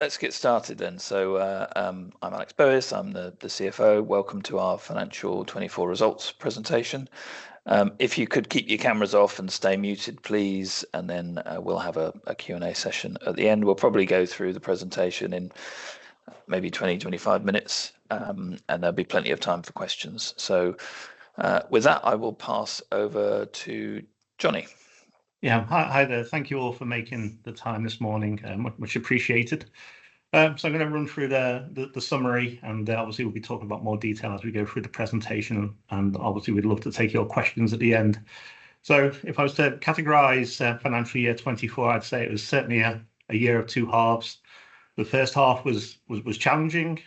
Let's get started then. So, I'm Alex Bevis, I'm the CFO. Welcome to our Financial 2024 Results presentation. If you could keep your cameras off and stay muted, please, and then, we'll have a Q&A session at the end. We'll probably go through the presentation in maybe 20, 25 minutes, and there'll be plenty of time for questions. So, with that, I will pass over to Jonny. Yeah. Hi, hi there. Thank you all for making the time this morning, much appreciated. So I'm gonna run through the summary, and obviously we'll be talking about more detail as we go through the presentation, and obviously we'd love to take your questions at the end. So if I was to categorize Financial Year 2024, I'd say it was certainly a year of two halves. The H1 was challenging,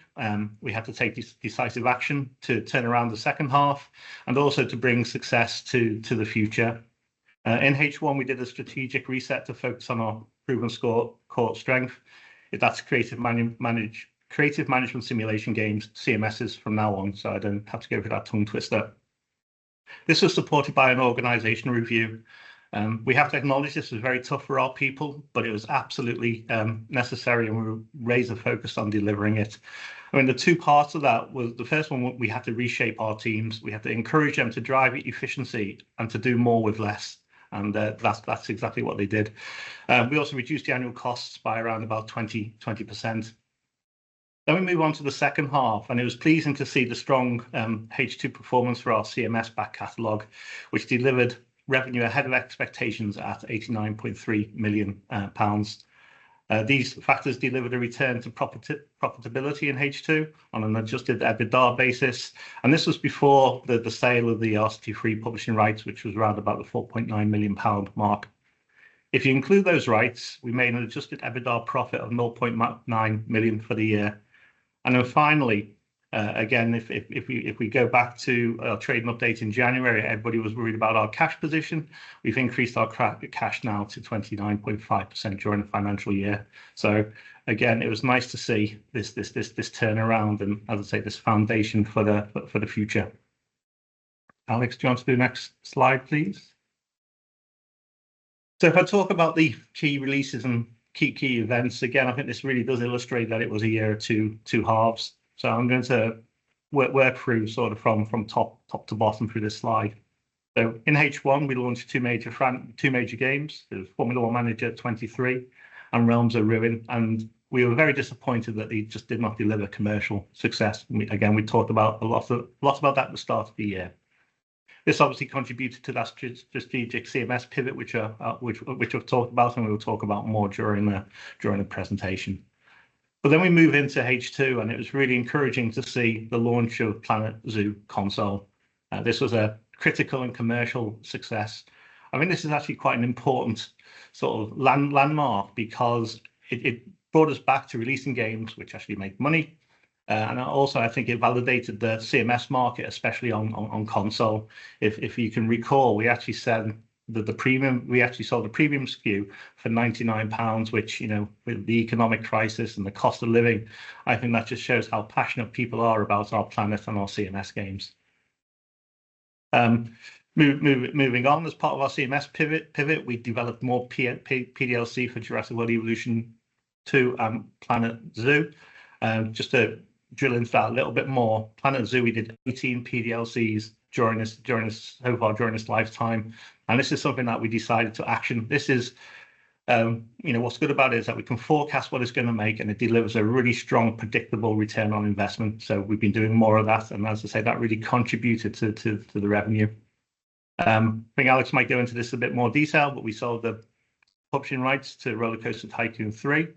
we had to take decisive action to turn around the second half, and also to bring success to the future. In H1, we did a strategic reset to focus on our proven core strength, that's creative management simulation games, CMSs from now on, so I don't have to go through that tongue twister. This was supported by an organizational review. We have to acknowledge this was very tough for our people, but it was absolutely necessary, and we were razor focused on delivering it. I mean, the two parts of that was, the first one we had to reshape our teams. We had to encourage them to drive efficiency and to do more with less, and that's exactly what they did. We also reduced the annual costs by around about 20%. Then we move on to the second half, and it was pleasing to see the strong H2 performance for our CMS back catalog, which delivered revenue ahead of expectations at 89.3 million pounds. These factors delivered a return to profitability in H2 on an Adjusted EBITDA basis, and this was before the sale of the RCT3 publishing rights, which was around about the 4.9 million pound mark. If you include those rights, we made an Adjusted EBITDA profit of 0.9 million for the year. And then finally, again, if we go back to our trading update in January, everybody was worried about our cash position. We've increased our cash now to 29.5% during the financial year. So again, it was nice to see this turnaround and, as I say, this foundation for the future. Alex, do you want to do the next slide, please? So if I talk about the key releases and key events, again, I think this really does illustrate that it was a year of two halves. So I'm going to work through sort of from top to bottom through this slide. So in H1, we launched two major games, the F1 Manager 2023 and Realms of Ruin, and we were very disappointed that they just did not deliver commercial success. Again, we talked about a lot about that at the start of the year. This obviously contributed to that strategic CMS pivot, which I've talked about, and we will talk about more during the presentation. But then we move into H2, and it was really encouraging to see the launch of Planet Zoo: Console Edition. This was a critical and commercial success. I mean, this is actually quite an important sort of landmark, because it brought us back to releasing games which actually make money, and also I think it validated the CMS market, especially on console. If you can recall, we actually said that we actually sold a premium SKU for 99 pounds, which, you know, with the economic crisis and the cost of living, I think that just shows how passionate people are about our planet and our CMS games. Moving on, as part of our CMS pivot, we developed more PDLC for Jurassic World Evolution 2 to Planet Zoo. Just to drill into that a little bit more, Planet Zoo, we did 18 PDLCs during this lifetime, and this is something that we decided to action. This is... You know, what's good about it is that we can forecast what it's gonna make, and it delivers a really strong, predictable return on investment, so we've been doing more of that, and as I say, that really contributed to the revenue. I think Alex might go into this in a bit more detail, but we sold the option rights to RollerCoaster Tycoon 3.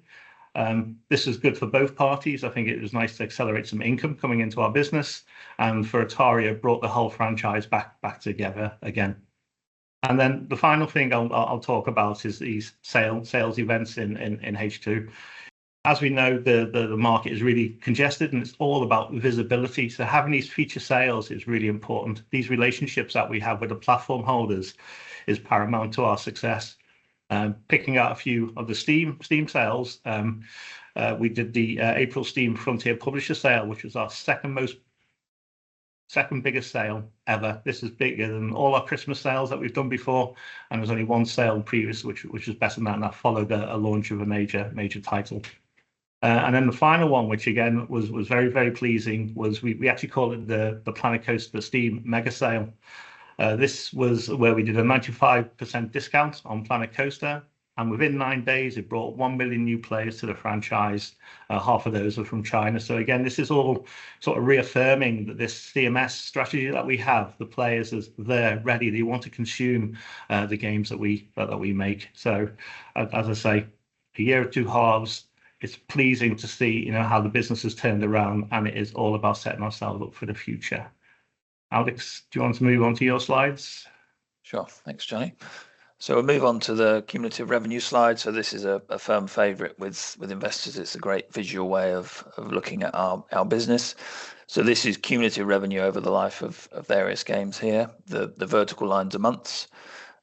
This is good for both parties. I think it was nice to accelerate some income coming into our business, and for Atari, it brought the whole franchise back together again. And then the final thing I'll talk about is the sales events in H2. As we know, the market is really congested, and it's all about visibility, so having these feature sales is really important. These relationships that we have with the platform holders is paramount to our success. Picking out a few of the Steam sales, we did the April Steam Frontier Publisher Sale, which was our second-most second-biggest sale ever. This is bigger than all our Christmas sales that we've done before, and there was only one sale previous, which was better than that, and that followed a launch of a major title. And then the final one, which again, was very pleasing, was we actually call it the Planet Coaster Steam Mega Sale. This was where we did a 95% discount on Planet Coaster, and within nine days, it brought one million new players to the franchise. Half of those were from China, so again, this is all sort of reaffirming that this CMS strategy that we have, the players are there, ready, they want to consume the games that we make. So as I say, a year of two halves. It's pleasing to see, you know, how the business has turned around, and it is all about setting ourselves up for the future. Alex, do you want to move on to your slides? Sure. Thanks, Jonny. So we'll move on to the cumulative revenue slide. So this is a firm favorite with investors. It's a great visual way of looking at our business. So this is cumulative revenue over the life of various games here. The vertical lines are months.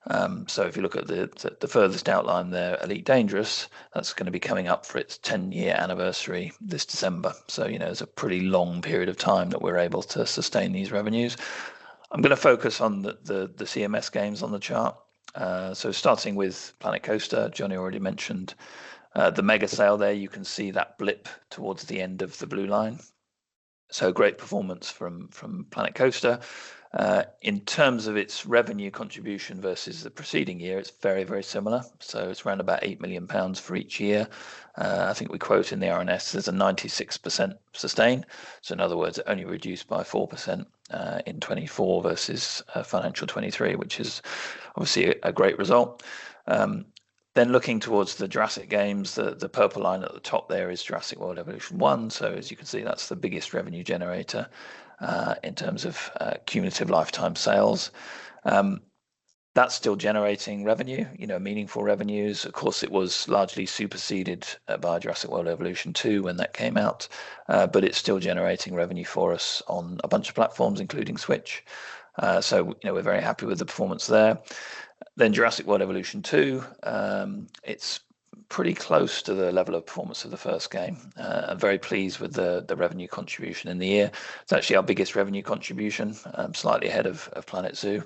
If you look at the furthest out line there, Elite Dangerous, that's gonna be coming up for its ten-year anniversary this December. So, you know, it's a pretty long period of time that we're able to sustain these revenues. I'm gonna focus on the CMS games on the chart. So starting with Planet Coaster, Jonny already mentioned the mega sale there, you can see that blip towards the end of the blue line. So great performance from Planet Coaster. In terms of its revenue contribution versus the preceding year, it's very, very similar, so it's around about 8 million pounds for each year. I think we quote in the RNS, there's a 96% sustain, so in other words, it only reduced by 4%, in 2024 versus FY2023, which is obviously a great result. Then looking towards the Jurassic games, the purple line at the top there is Jurassic World Evolution One. So as you can see, that's the biggest revenue generator, in terms of cumulative lifetime sales. That's still generating revenue, you know, meaningful revenues. Of course, it was largely superseded by Jurassic World Evolution Two when that came out, but it's still generating revenue for us on a bunch of platforms, including Switch. So, you know, we're very happy with the performance there. Then Jurassic World Evolution 2 is pretty close to the level of performance of the first game. I'm very pleased with the revenue contribution in the year. It's actually our biggest revenue contribution, slightly ahead of Planet Zoo,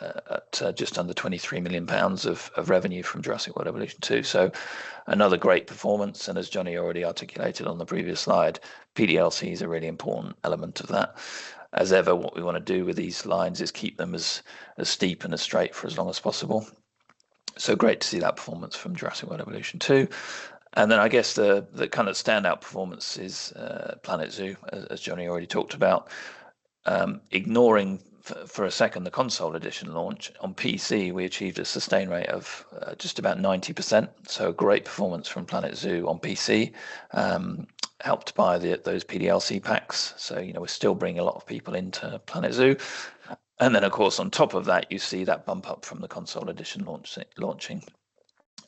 at just under 23 million pounds of revenue from Jurassic World Evolution 2. So another great performance, and as Jonny already articulated on the previous slide, PDLC is a really important element of that. As ever, what we wanna do with these lines is keep them as steep and as straight for as long as possible. So great to see that performance from Jurassic World Evolution 2. And then I guess the kinda standout performance is Planet Zoo, as Jonny already talked about. Ignoring for a second the console edition launch, on PC, we achieved a sustain rate of just about 90%, so a great performance from Planet Zoo on PC, helped by those PDLC packs. So, you know, we're still bringing a lot of people into Planet Zoo, and then, of course, on top of that, you see that bump up from the console edition launch.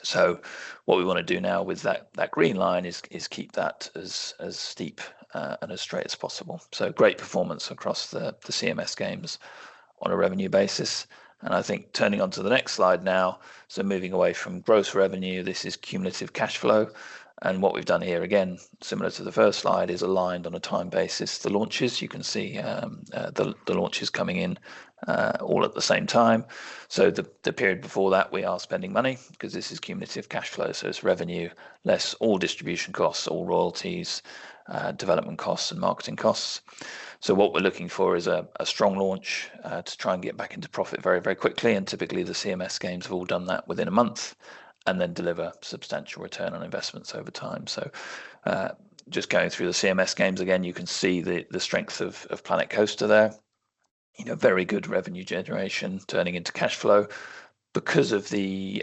So what we wanna do now with that green line is keep that as steep and as straight as possible. So great performance across the CMS games on a revenue basis, and I think turning to the next slide now, so moving away from gross revenue, this is cumulative cash flow, and what we've done here, again, similar to the first slide, is aligned on a time basis. The launches, you can see, the launches coming in, all at the same time. So the period before that, we are spending money because this is cumulative cash flow, so it's revenue, less all distribution costs, all royalties, development costs, and marketing costs. So what we're looking for is a strong launch, to try and get back into profit very, very quickly, and typically, the CMS games have all done that within a month, and then deliver substantial return on investments over time. So, just going through the CMS games again, you can see the strength of Planet Coaster there. You know, very good revenue generation turning into cash flow. Because of the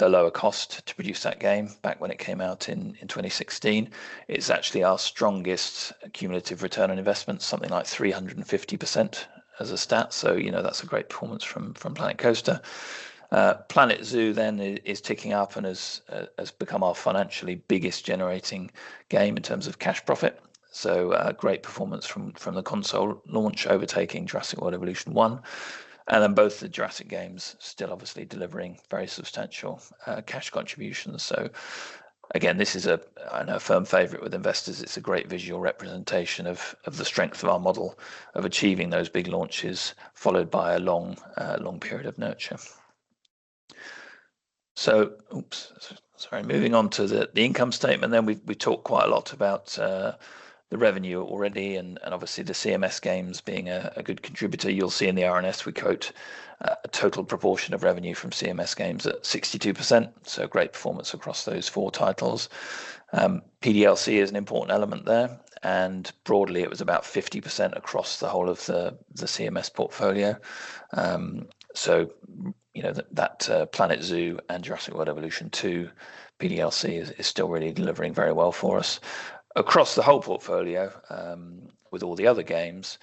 lower cost to produce that game back when it came out in 2016, it's actually our strongest cumulative return on investment, something like 350% as a stat, so you know, that's a great performance from Planet Coaster. Planet Zoo then is ticking up and has become our financially biggest generating game in terms of cash profit. So, great performance from the console launch, overtaking Jurassic World Evolution One, and then both the Jurassic games still obviously delivering very substantial cash contributions. So again, this is a firm favorite with investors. It's a great visual representation of the strength of our model of achieving those big launches, followed by a long period of nurture. So, oops, sorry. Moving on to the income statement, then we've talked quite a lot about the revenue already, and obviously, the CMS games being a good contributor. You'll see in the RNS, we quote a total proportion of revenue from CMS games at 62%, so great performance across those four titles. PDLC is an important element there, and broadly, it was about 50% across the whole of the CMS portfolio. So you know, Planet Zoo and Jurassic World Evolution 2, PDLC is still really delivering very well for us. Across the whole portfolio, with all the other games,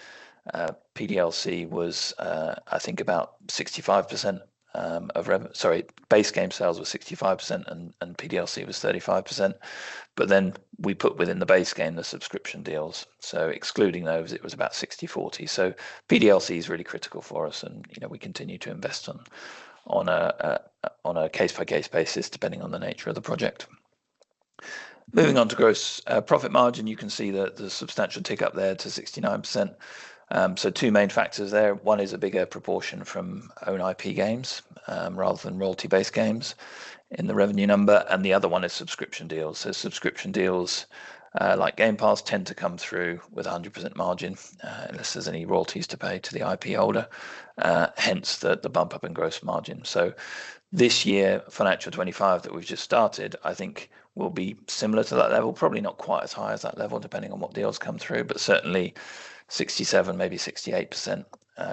PDLC was, I think about 65%, of reve... Sorry, base game sales were 65%, and PDLC was 35%, but then we put within the base game the subscription deals, so excluding those, it was about 60/40. So PDLC is really critical for us, and, you know, we continue to invest on a case-by-case basis, depending on the nature of the project. Moving on to gross profit margin, you can see the substantial tick up there to 69%. So two main factors there. One is a bigger proportion from own IP games, rather than royalty-based games in the revenue number, and the other one is subscription deals. So subscription deals, like Game Pass, tend to come through with a 100% margin, unless there's any royalties to pay to the IP holder, hence the bump up in gross margin. So this year, FY2025, that we've just started, I think will be similar to that level, probably not quite as high as that level, depending on what deals come through, but certainly 67%, maybe 68%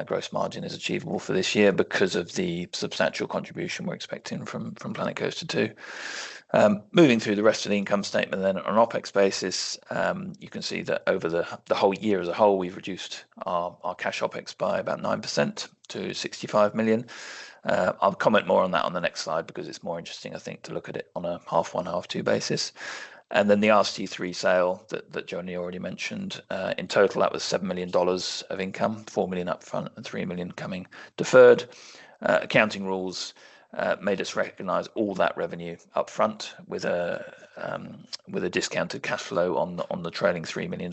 gross margin is achievable for this year because of the substantial contribution we're expecting from Planet Coaster 2. Moving through the rest of the income statement, then on an OpEx basis, you can see that over the whole year as a whole, we've reduced our cash OpEx by about 9% to 65 million. I'll comment more on that on the next slide because it's more interesting, I think, to look at it on a half one, half two basis. And then the RCT3 sale that Jonny already mentioned, in total, that was $7 million of income, $4 million upfront and $3 million coming deferred. Accounting rules made us recognize all that revenue upfront with a discounted cash flow on the trailing $3 million.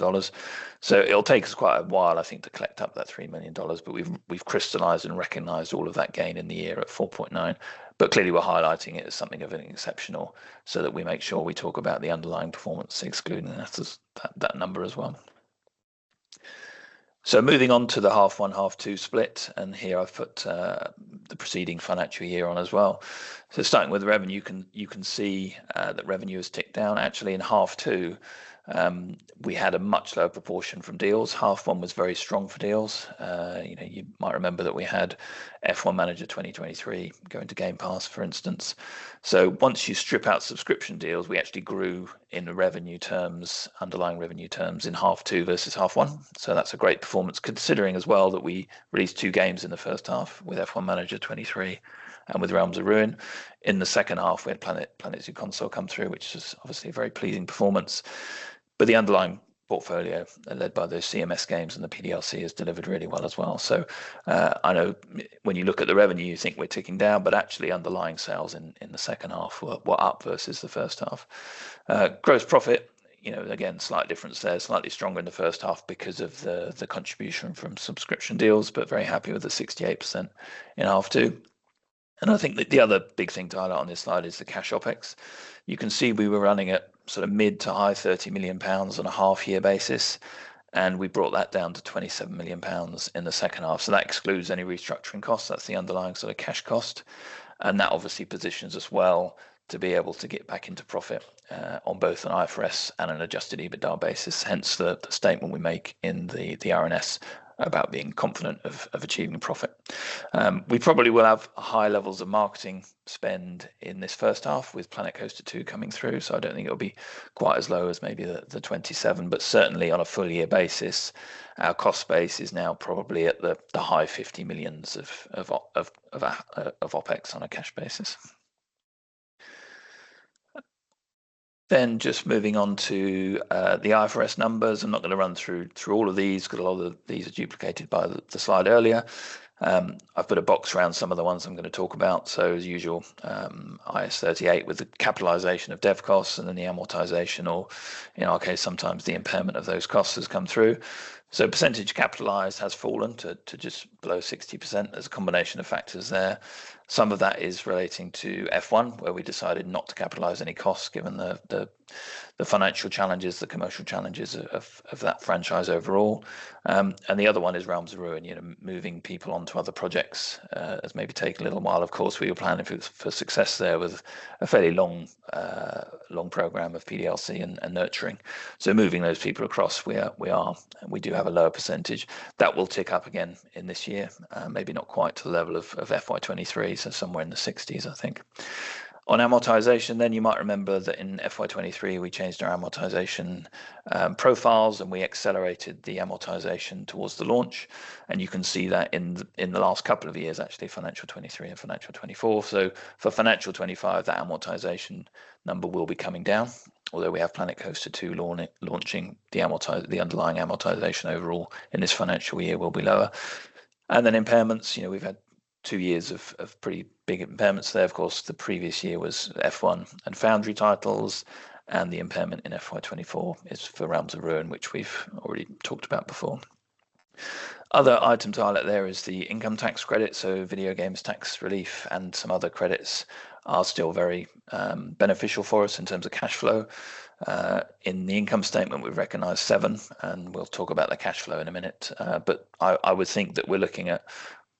So it'll take us quite a while, I think, to collect up that $3 million, but we've crystallized and recognized all of that gain in the year at $4.9 million. But clearly, we're highlighting it as something of an exceptional, so that we make sure we talk about the underlying performance, excluding that number as well. So moving on to the H1, H2 split, and here I've put the preceding financial year on as well. So starting with revenue, you can see that revenue has ticked down. Actually, in H2, we had a much lower proportion from deals. Half one was very strong for deals. You know, you might remember that we had F1 Manager 2023 go into Game Pass, for instance. So once you strip out subscription deals, we actually grew in the revenue terms, underlying revenue terms in H2 versus H1. So that's a great performance, considering as well that we released two games in the H1, with F1 Manager 2023 and with Realms of Ruin. In the H2, we had Planet Zoo Console come through, which is obviously a very pleasing performance. But the underlying portfolio, led by those CMS games and the PDLC, has delivered really well as well. I know when you look at the revenue, you think we're ticking down, but actually underlying sales in the second half were up versus the first half. Gross profit, you know, again, slight difference there. Slightly stronger in the H1 because of the contribution from subscription deals, but very happy with the 68% in half two. I think the other big thing to highlight on this slide is the cash OpEx. You can see we were running at sort of mid- to high-GBP 30 million on a half-year basis, and we brought that down to 27 million pounds in the H2, so that excludes any restructuring costs. That's the underlying sort of cash cost, and that obviously positions us well to be able to get back into profit on both an IFRS and an adjusted EBITDA basis, hence the statement we make in the RNS about being confident of achieving a profit. We probably will have high levels of marketing spend in this H1 with Planet Coaster 2 coming through, so I don't think it'll be quite as low as maybe the 27, but certainly on a full-year basis, our cost base is now probably at the high 50 millions of OpEx on a cash basis. Then just moving on to the IFRS numbers. I'm not gonna run through all of these, 'cause a lot of these are duplicated by the slide earlier. I've put a box around some of the ones I'm gonna talk about, so as usual, IAS 38 with the capitalization of dev costs and then the amortization or, in our case, sometimes the impairment of those costs has come through. So percentage capitalized has fallen to just below 60%. There's a combination of factors there. Some of that is relating to F1, where we decided not to capitalize any costs given the financial challenges, the commercial challenges of that franchise overall. And the other one is Realms of Ruin. You know, moving people on to other projects has maybe taken a little while. Of course, we were planning for success there with a fairly long program of PDLC and nurturing. So moving those people across, we are, and we do have a lower percentage. That will tick up again in this year, maybe not quite to the level of FY2023, so somewhere in the sixties, I think. On amortization, then you might remember that FY2023, we changed our amortization profiles, and we accelerated the amortization towards the launch, and you can see that in the last couple of years, actually, FY2023 and FY 2024. So for FY2025, the amortization number will be coming down. Although we have Planet Coaster 2 launching, the underlying amortization overall in this financial year will be lower. And then impairments, you know, we've had two years of pretty big impairments there. Of course, the previous year was F1 and Foundry titles, and the impairment in FY2024 is for Realms of Ruin, which we've already talked about before. Other items to highlight there is the income tax credit, so video games tax relief, and some other credits are still very beneficial for us in terms of cash flow. In the income statement, we've recognized seven, and we'll talk about the cash flow in a minute, but I would think that we're looking at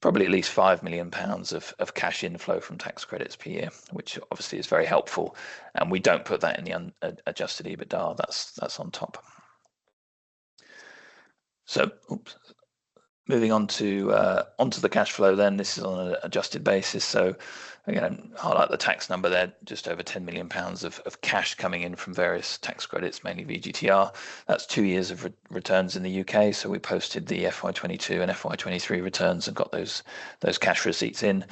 probably at least 5 million pounds of cash inflow from tax credits per year, which obviously is very helpful, and we don't put that in the adjusted EBITDA. That's on top. Oops, moving on to onto the cash flow then. This is on an adjusted basis, so again, I'll highlight the tax number there, just over 10 million pounds of cash coming in from various tax credits, mainly VGTR. That's two years of returns in the UK, so we posted the FY2022 and FY2023 returns and got those cash receipts in.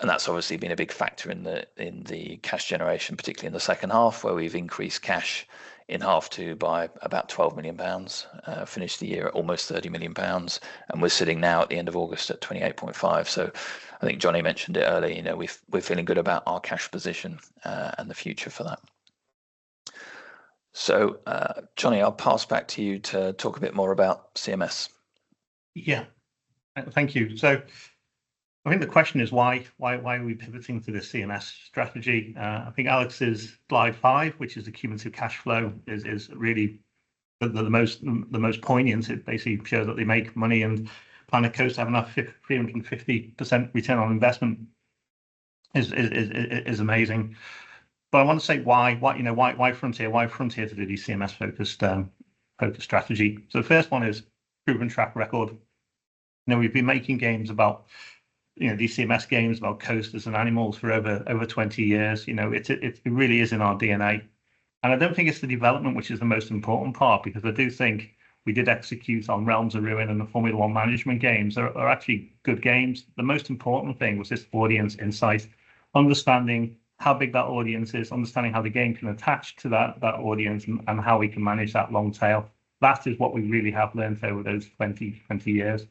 And that's obviously been a big factor in the cash generation, particularly in the second half, where we've increased cash in half two by about 12 million pounds, finished the year at almost 30 million pounds, and we're sitting now at the end of August at 28.5 million. I think Jonny mentioned it earlier, you know, we're feeling good about our cash position and the future for that. Jonny, I'll pass back to you to talk a bit more about CMS. Yeah. Thank you. So I think the question is, why, why, why are we pivoting to this CMS strategy? I think Alex's slide five, which is the cumulative cash flow, is really the most poignant. It basically shows that they make money, and Planet Coaster have enough three hundred and fifty percent return on investment is amazing. But I want to say why, why, you know, why, why Frontier? Why Frontier to do the CMS-focused focused strategy? So the first one is proven track record. You know, we've been making games about, you know, these CMS games, about coasters and animals for over 20 years. You know, it's really in our DNA, and I don't think it's the development which is the most important part, because I do think we did execute on Realms of Ruin and the Formula One management games. They're actually good games. The most important thing was just audience insight, understanding how big that audience is, understanding how the game can attach to that audience, and how we can manage that long tail. That is what we really have learned over those twenty years.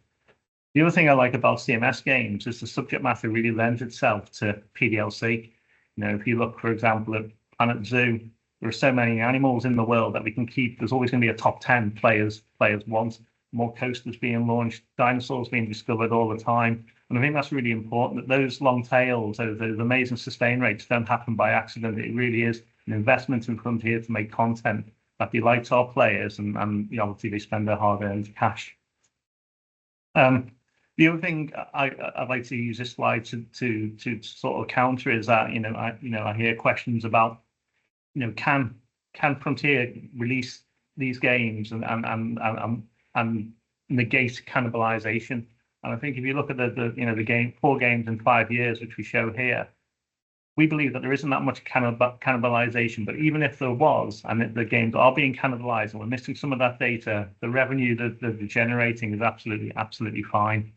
The other thing I like about CMS games is the subject matter really lends itself to PDLC. You know, if you look, for example, at Planet Zoo, there are so many animals in the world that we can keep... There's always gonna be a top ten players, players ones, more coasters being launched, dinosaurs being discovered all the time, and I think that's really important, that those long tails, those amazing sustain rates, don't happen by accident. It really is an investment in Frontier to make content that delights our players, and, you know, obviously they spend their hard-earned cash. The other thing I'd like to use this slide to sort of counter is that, you know, I hear questions about, you know, can Frontier release these games, and negate cannibalization? And I think if you look at the four games in five years, which we show here, we believe that there isn't that much cannibalization. But even if there was, and if the games are being cannibalized, and we're missing some of that data, the revenue that they're generating is absolutely, absolutely fine.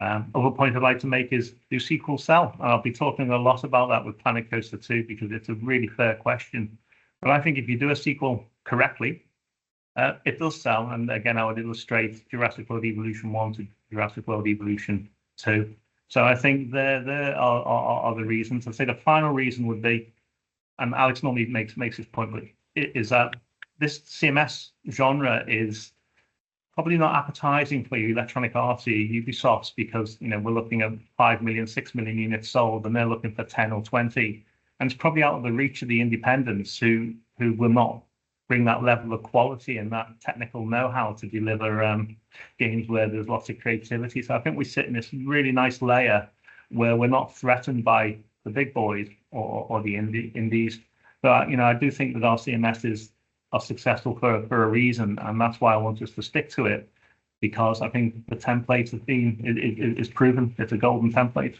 The other point I'd like to make is, do sequels sell? And I'll be talking a lot about that with Planet Coaster 2, because it's a really fair question. But I think if you do a sequel correctly, it does sell, and again, I would illustrate Jurassic World Evolution 1 to Jurassic World Evolution 2. So I think there are the reasons. I'd say the final reason would be, and Alex normally makes this point, which is that this CMS genre is probably not appetizing for your Electronic Arts, your Ubisoft, because, you know, we're looking at five million, six million units sold, and they're looking for 10 or 20. And it's probably out of the reach of the independents, who will not bring that level of quality and that technical know-how to deliver games where there's lots of creativity. So I think we sit in this really nice layer, where we're not threatened by the big boys or the indies. But you know, I do think that our CMSs are successful for a reason, and that's why I want us to stick to it, because I think the template, the theme, it's proven. It's a golden template.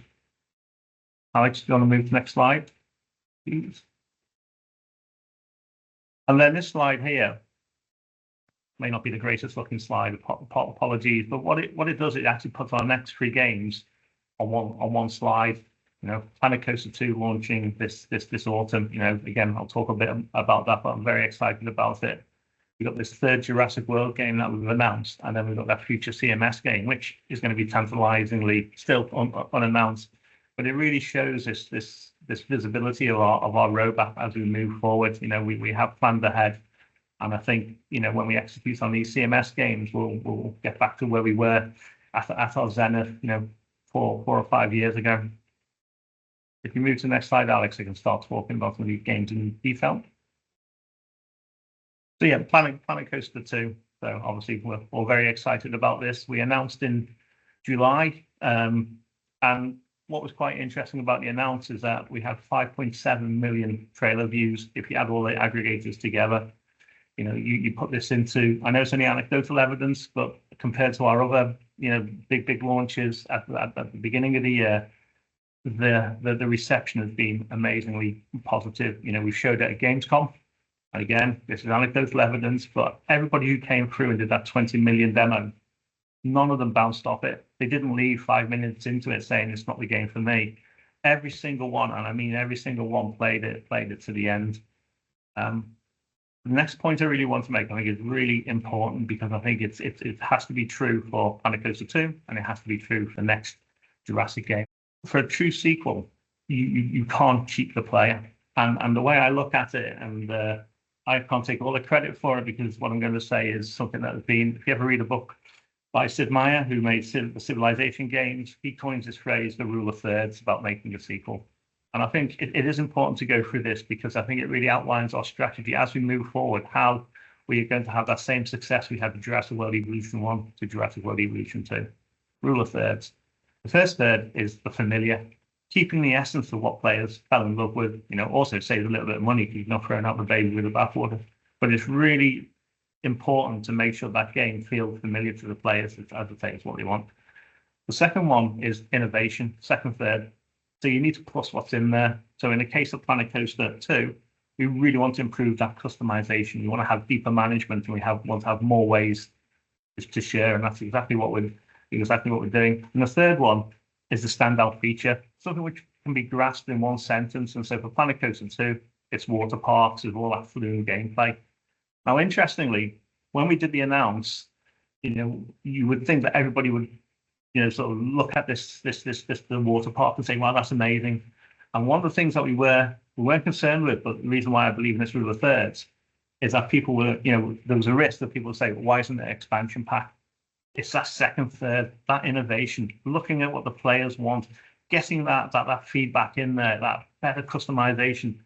Alex, do you wanna move to the next slide, please? And then this slide here may not be the greatest looking slide, apologies, but what it does, it actually puts our next three games on one slide. You know, Planet Coaster 2 launching this autumn. You know, again, I'll talk a bit about that, but I'm very excited about it. We've got this third Jurassic World game that we've announced, and then we've got that future CMS game, which is gonna be tantalizingly still unannounced. But it really shows us this visibility of our roadmap as we move forward. You know, we have planned ahead, and I think, you know, when we execute on these CMS games, we'll get back to where we were at our zenith, you know, four or five years ago. If you move to the next slide, Alex, I can start talking about the new games in detail, so yeah, Planet Coaster 2, so obviously we're all very excited about this. We announced in July, and what was quite interesting about the announce is that we had 5.7 million trailer views if you add all the aggregators together. You know, you put this into... I know it's only anecdotal evidence, but compared to our other, you know, big, big launches at the beginning of the year, the reception has been amazingly positive. You know, we've showed it at Gamescom, and again, this is anecdotal evidence, but everybody who came through and did that 20-minute demo, none of them bounced off it. They didn't leave five minutes into it saying, "It's not the game for me." Every single one, and I mean every single one, played it, played it to the end. The next point I really want to make, I think is really important, because I think it has to be true for Planet Coaster 2, and it has to be true for the next Jurassic game. For a true sequel, you can't cheat the player. And the way I look at it, and I can't take all the credit for it, because what I'm gonna say is something that has been... If you ever read a book by Sid Meier, who made Civilization games, he coins this phrase, "the rule of thirds," about making a sequel. And I think it is important to go through this, because I think it really outlines our strategy as we move forward, how we're going to have that same success we had with Jurassic World Evolution 1 to Jurassic World Evolution 2. Rule of Thirds. The first third is the familiar, keeping the essence of what players fell in love with. You know, also saves a little bit of money, if you're not throwing out the baby with the bathwater. But it's really important to make sure that game feels familiar to the players, as I say, it's what we want. The second one is innovation, second third. So you need to plus what's in there. So in the case of Planet Coaster 2, we really want to improve that customization. We wanna have deeper management, and we want to have more ways to share, and that's exactly what we're doing. The third one is the standout feature, something which can be grasped in one sentence. So for Planet Coaster 2, it's water parks and all that fluid gameplay. Now, interestingly, when we did the announce, you know, you would think that everybody would, you know, sort of look at this, the water park, and say, "Wow, that's amazing." And one of the things that we were, we weren't concerned with, but the reason why I believe in this rule of thirds, is that people were, you know. There was a risk that people would say, "Why isn't it an expansion pack?" It's that second third, that innovation, looking at what the players want, getting that feedback in there, that better customization.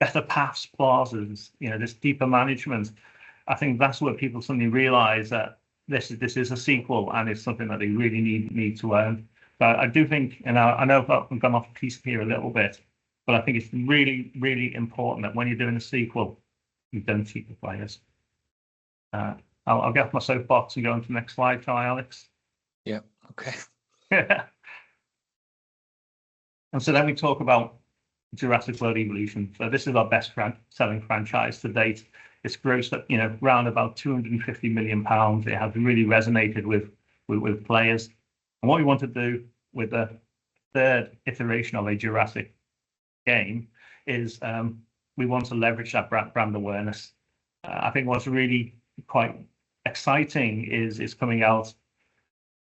Better paths, plazas, you know, just deeper management. I think that's where people suddenly realize that this is, this is a sequel, and it's something that they really need, need to own. But I do think, and I know I've gone off piste here a little bit, but I think it's really, really important that when you're doing a sequel, you don't keep the players. I'll get off my soapbox and go on to the next slide, shall I, Alex? Yeah. Okay. We talk about Jurassic World Evolution. This is our best-selling franchise to date. It's grossed, you know, round about 250 million pounds. It has really resonated with players. What we want to do with the third iteration of a Jurassic game is we want to leverage that brand awareness. I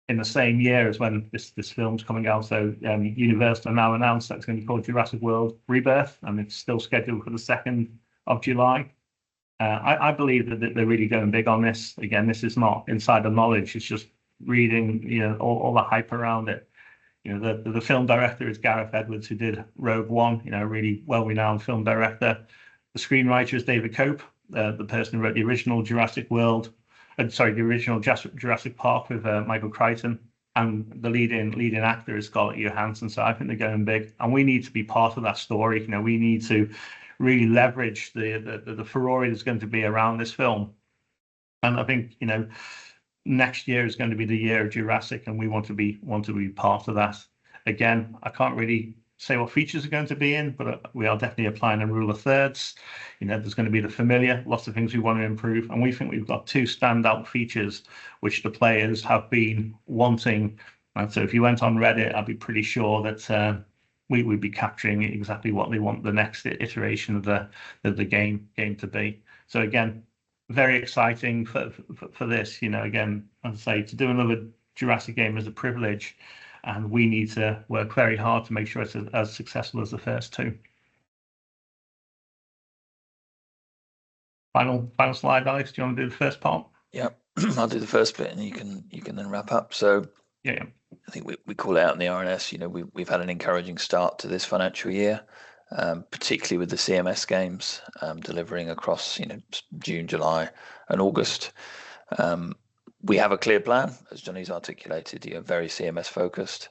believe that they're really going big on this. Again, this is not insider knowledge, it's just reading, you know, all the hype around it. You know, the film director is Gareth Edwards, who did Rogue One, you know, a really well-renowned film director. The screenwriter is David Koepp, the person who wrote the original Jurassic Park with Michael Crichton, and the leading actor is Scarlett Johansson, so I think they're going big, and we need to be part of that story. You know, we need to really leverage the furore that's going to be around this film, and I think, you know, next year is going to be the year of Jurassic, and we want to be part of that. Again, I can't really say what features are going to be in, but we are definitely applying a rule of thirds. You know, there's gonna be the familiar, lots of things we want to improve, and we think we've got two standout features which the players have been wanting, and so if you went on Reddit, I'd be pretty sure that we, we'd be capturing exactly what they want the next iteration of the game to be. So again, very exciting for this. You know, again, as I say, to do another Jurassic game is a privilege, and we need to work very hard to make sure it's as successful as the first two. Final slide, Alex. Do you wanna do the first part? Yep. I'll do the first bit, and you can, you can then wrap up, so- Yeah. I think we call out in the RNS, you know, we've had an encouraging start to this financial year, particularly with the CMS games, delivering across, you know, June, July, and August. We have a clear plan, as Johnny's articulated, here, very CMS-focused,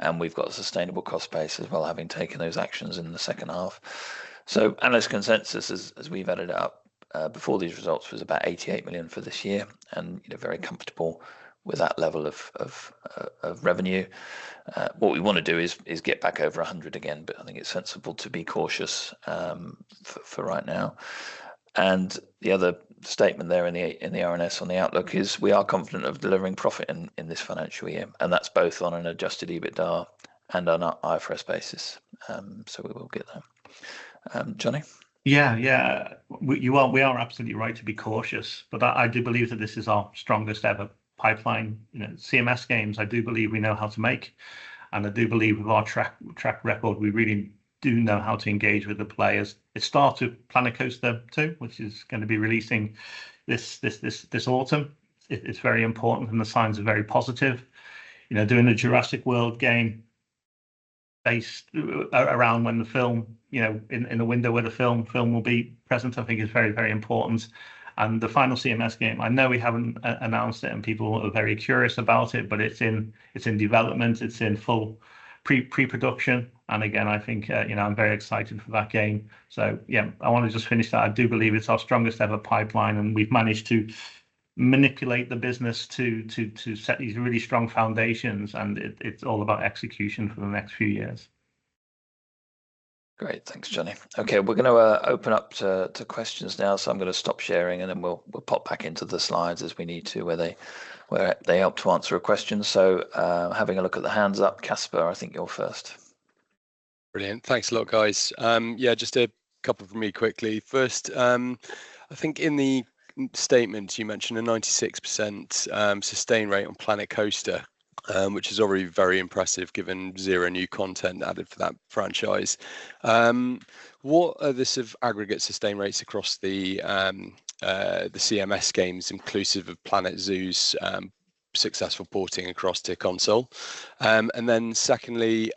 and we've got a sustainable cost base as well, having taken those actions in the H2. Analyst consensus as we've added it up, before these results, was about 88 million for this year, and, you know, very comfortable with that level of revenue. What we wanna do is get back over 100 again, but I think it's sensible to be cautious for right now, and the other statement there in the RNS on the outlook is we are confident of delivering profit in this financial year, and that's both on an adjusted EBITDA and on an IFRS basis. So we will get there. Jonny? Yeah, yeah. We are absolutely right to be cautious, but I do believe that this is our strongest-ever pipeline. You know, CMS games, I do believe we know how to make, and I do believe with our track record, we really do know how to engage with the players. It started Planet Coaster 2, which is gonna be releasing this autumn. It's very important, and the signs are very positive. You know, doing a Jurassic World game based around when the film, you know, in the window when the film will be present, I think is very, very important, and the final CMS game, I know we haven't announced it, and people are very curious about it, but it's in development. It's in full pre-production, and again, I think, you know, I'm very excited for that game, so yeah, I want to just finish that. I do believe it's our strongest-ever pipeline, and we've managed to manipulate the business to set these really strong foundations, and it's all about execution for the next few years. Great. Thanks, Jonny. Okay, we're gonna open up to questions now, so I'm gonna stop sharing, and then we'll pop back into the slides as we need to, where they help to answer a question. So, having a look at the hands up, Casper, I think you're first. Brilliant. Thanks a lot, guys. Yeah, just a couple from me quickly. First, I think in the statement, you mentioned a 96% sustain rate on Planet Coaster, which is already very impressive, given zero new content added for that franchise. What are the sort of aggregate sustain rates across the CMS games, inclusive of Planet Zoo's success reporting across to console? And then secondly,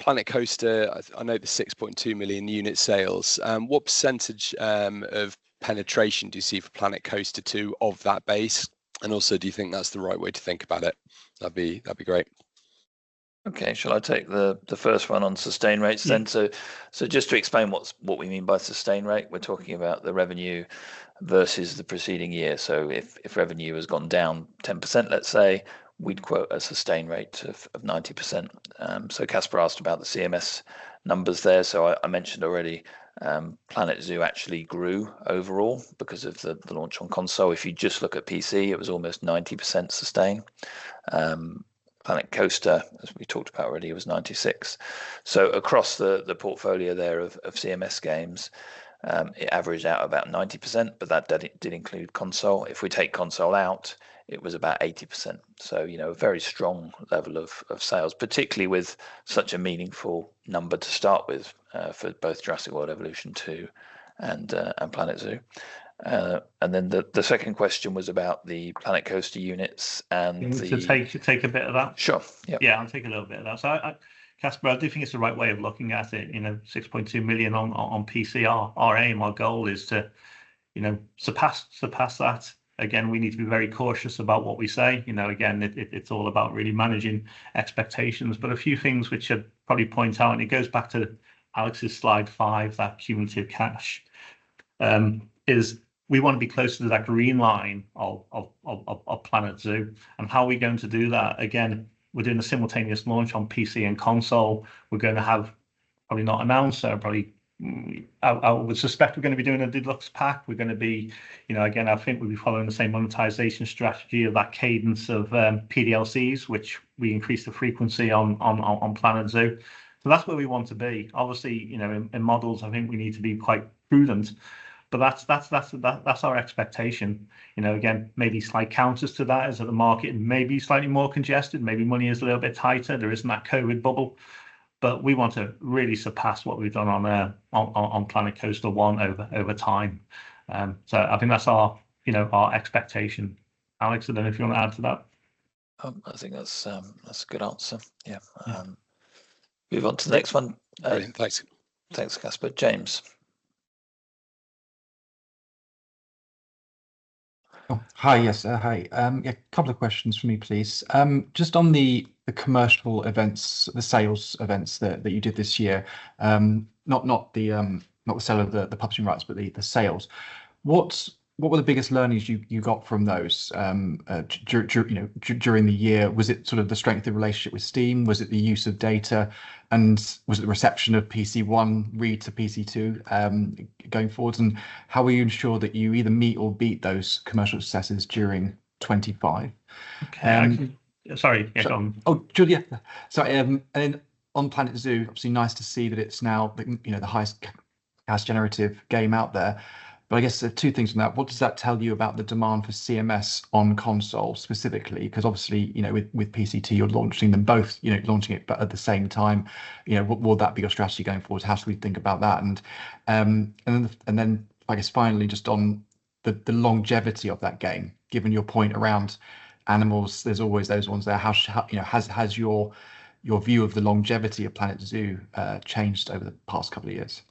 Planet Coaster, I know the 6.2 million unit sales. What percentage of penetration do you see for Planet Coaster 2 of that base, and also, do you think that's the right way to think about it? That'd be great. Okay, shall I take the first one on sustain rates then? Mm. So just to explain what we mean by sustain rate, we're talking about the revenue versus the preceding year, so if revenue has gone down 10%, let's say, we'd quote a sustain rate of 90%. So Casper asked about the CMS numbers there, so I mentioned already, Planet Zoo actually grew overall because of the launch on console. If you just look at PC, it was almost 90% sustain. Planet Coaster, as we talked about already, was 96%, so across the portfolio there of CMS games, it averaged out about 90%, but that did include console. If we take console out, it was about 80%, so you know, a very strong level of sales, particularly with such a meaningful number to start with, for both Jurassic World Evolution 2 and Planet Zoo. And then the second question was about the Planet Coaster units and the- Do you want me to take a bit of that? Sure, yep. Yeah, I'll take a little bit of that. So I, Casper, I do think it's the right way of looking at it, you know, 6.2 million on PC. Our aim, our goal is to, you know, surpass that. Again, we need to be very cautious about what we say. You know, again, it's all about really managing expectations, but a few things which I'd probably point out, and it goes back to Alex's slide five, that cumulative cash is we want to be closer to that green line of Planet Zoo, and how are we going to do that? Again, we're doing a simultaneous launch on PC and console. We're gonna have probably not announced, so probably I would suspect we're gonna be doing a deluxe pack. We're gonna be... You know, again, I think we'll be following the same monetization strategy of that cadence of PDLCs, which we increased the frequency on Planet Zoo. So that's where we want to be. Obviously, you know, in models, I think we need to be quite prudent, but that's our expectation. You know, again, maybe slight counters to that is that the market may be slightly more congested. Maybe money is a little bit tighter. There isn't that COVID bubble, but we want to really surpass what we've done on Planet Coaster 1 over time. So I think that's our expectation. Alex, and then if you want to add to that? I think that's a good answer. Yeah, move on to the next one. Brilliant. Thanks. Thanks, Casper. James?... Oh, hi. Yes, hi. Yeah, a couple of questions from me, please. Just on the commercial events, the sales events that you did this year, not the sale of the publishing rights, but the sales. What were the biggest learnings you got from those during the year? Was it sort of the strength of the relationship with Steam? Was it the use of data, and was it the reception of PC1 relative to PC2, going forward? And how will you ensure that you either meet or beat those commercial successes during 2025? Okay. Sorry, yeah, go on. Oh, sure, yeah. Sorry, and then on Planet Zoo, obviously nice to see that it's now the, you know, the highest cash generative game out there, but I guess there are two things from that. What does that tell you about the demand for CMS on console specifically? Because obviously, you know, with PCT, you're launching them both, you know, launching it but at the same time, will that be your strategy going forward? How should we think about that? And then I guess finally, just on the longevity of that game, given your point around animals, there's always those ones there. How has your view of the longevity of Planet Zoo changed over the past couple of years?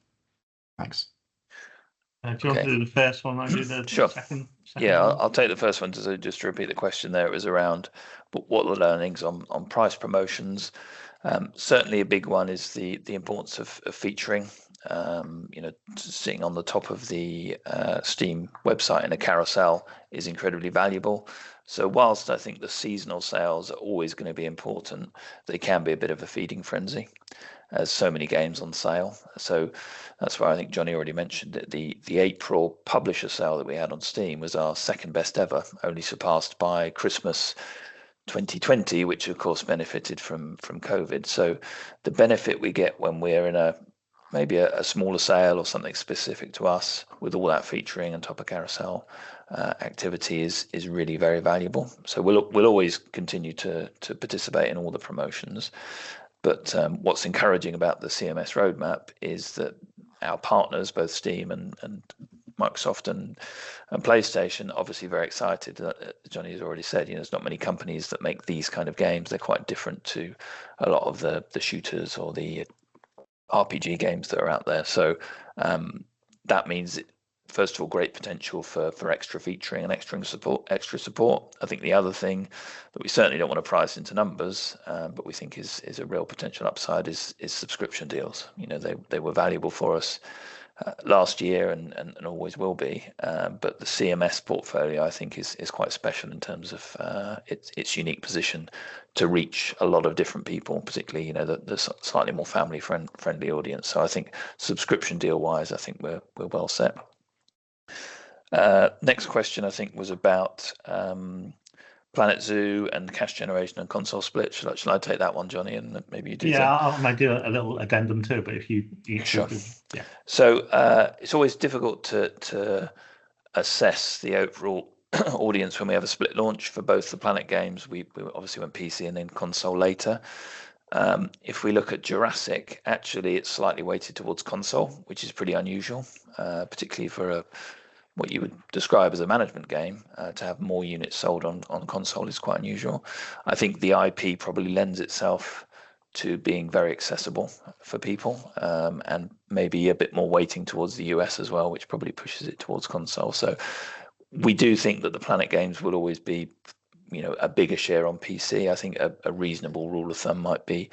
Thanks. Do you want to do the first one? Sure... I can do the second one. Yeah, I'll take the first one. To just repeat the question there, it was around what were the learnings on, on price promotions? Certainly a big one is the importance of featuring. You know, sitting on the top of the Steam website in a carousel is incredibly valuable, so while I think the seasonal sales are always gonna be important, they can be a bit of a feeding frenzy, as so many games on sale. So that's why I think Jonny already mentioned that the April publisher sale that we had on Steam was our second-best ever, only surpassed by Christmas 2020, which of course benefited from COVID. So the benefit we get when we're in a maybe a smaller sale or something specific to us with all that featuring and top of carousel activity is really very valuable. We'll always continue to participate in all the promotions, but what's encouraging about the CMS roadmap is that our partners, both Steam and Microsoft and PlayStation, are obviously very excited. Jonny has already said, you know, there's not many companies that make these kind of games. They're quite different to a lot of the shooters or the RPG games that are out there. That means, first of all, great potential for extra featuring and extra support. I think the other thing that we certainly don't want to price into numbers, but we think is a real potential upside is subscription deals. You know, they were valuable for us last year and always will be. But the CMS portfolio I think is quite special in terms of its unique position to reach a lot of different people, particularly, you know, the slightly more family-friendly audience. So I think subscription deal-wise, I think we're well set. Next question I think was about Planet Zoo and the cash generation and console split. Shall I take that one, Johnny, and then maybe you do the- Yeah, I might do a little addendum, too, but if you Sure. Yeah. So, it's always difficult to assess the overall audience when we have a split launch for both the Planet games. We obviously went PC and then console later. If we look at Jurassic, actually, it's slightly weighted towards console, which is pretty unusual, particularly for a what you would describe as a management game. To have more units sold on console is quite unusual. I think the IP probably lends itself to being very accessible for people, and maybe a bit more weighting towards the U.S. as well, which probably pushes it towards console. So we do think that the Planet games will always be, you know, a bigger share on PC. I think a reasonable rule of thumb might be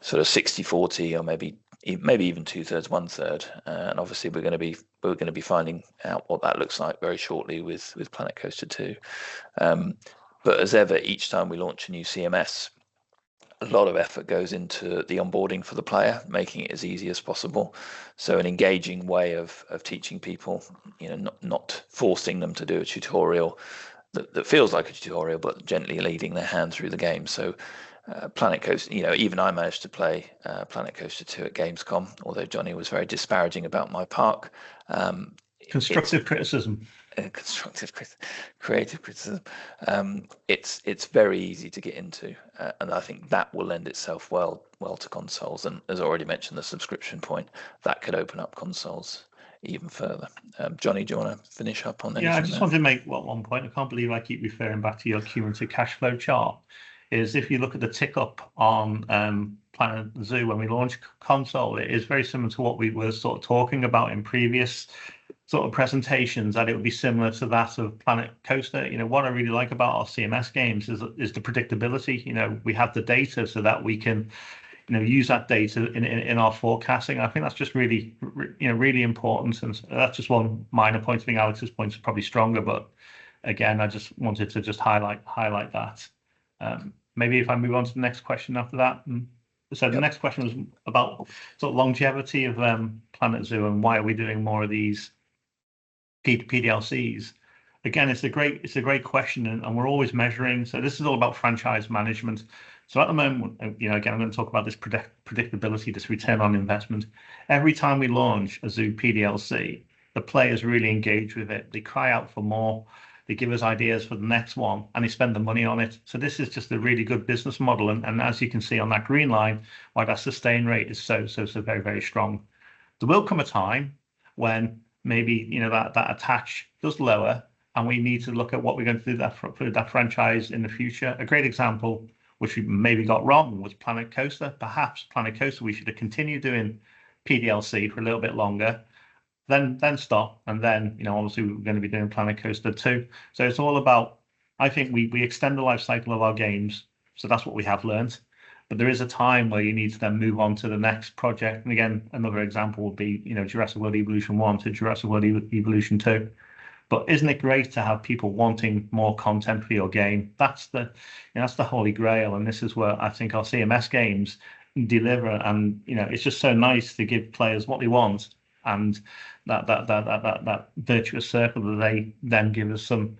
sort of 60/40 or maybe even two-thirds, one-third, and obviously we're gonna be finding out what that looks like very shortly with Planet Coaster 2, but as ever, each time we launch a new CMS, a lot of effort goes into the onboarding for the player, making it as easy as possible, so an engaging way of teaching people, you know, not forcing them to do a tutorial that feels like a tutorial, but gently leading their hand through the game, so Planet Coaster, you know, even I managed to play Planet Coaster 2 at Gamescom, although Jonny was very disparaging about my park, it- Constructive criticism. Constructive creative criticism. It's very easy to get into, and I think that will lend itself well to consoles, and as already mentioned, the subscription point, that could open up consoles even further. Jonny, do you wanna finish up on anything there? Yeah, I just wanted to make one point. I can't believe I keep referring back to your Q and to cash flow chart. If you look at the tick up on Planet Zoo when we launched console, it is very similar to what we were sort of talking about in previous sort of presentations, that it would be similar to that of Planet Coaster. You know, what I really like about our CMS games is the predictability. You know, we have the data so that we can use that data in our forecasting, and I think that's just really important, and that's just one minor point. I think Alex's point is probably stronger, but again, I just wanted to highlight that. Maybe if I move on to the next question after that, and so the next question. Yeah... was about the longevity of Planet Zoo, and why are we doing more of these PDLCs? Again, it's a great question, and we're always measuring, so this is all about franchise management. So at the moment, you know, again, I'm gonna talk about this predictability, this return on investment. Every time we launch a Zoo PDLC, the players really engage with it. They cry out for more, they give us ideas for the next one, and they spend the money on it, so this is just a really good business model, and as you can see on that green line, why that sustain rate is so very strong. There will come a time when maybe, you know, that attach does lower, and we need to look at what we're gonna do with that franchise in the future. A great example, which we maybe got wrong, was Planet Coaster. Perhaps Planet Coaster, we should have continued doing PDLC for a little bit longer, then stop, and then, you know, obviously we're gonna be doing Planet Coaster 2. So it's all about... I think we extend the life cycle of our games, so that's what we have learned. But there is a time where you need to then move on to the next project, and again, another example would be, you know, Jurassic World Evolution 1 to Jurassic World Evolution 2. But isn't it great to have people wanting more content for your game? That's the, you know, that's the holy grail, and this is where I think our CMS games deliver, and, you know, it's just so nice to give players what they want, and that virtuous circle that they then give us some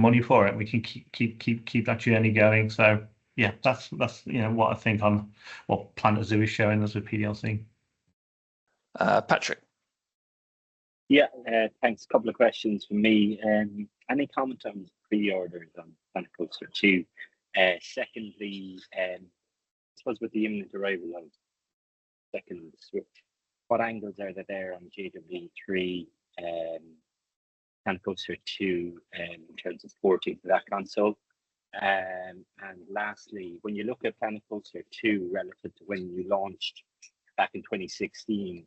money for it, and we can keep that journey going. So yeah, that's, you know, what I think on what Planet Zoo is showing us with PDLC. Uh, Patrick? Yeah, thanks. A couple of questions from me. Any comments on pre-orders on Planet Coaster 2? Secondly, with the imminent arrival of second Switch, what angles are there on JWE 3, Planet Coaster 2, in terms of support for that console? And lastly, when you look at Planet Coaster 2 relative to when you launched back in 2016,